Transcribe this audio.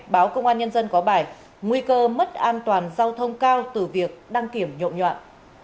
báo công an nhân dân có bài nguy cơ mất an toàn giao thông cao từ việc đăng kiểm nhộn nhạn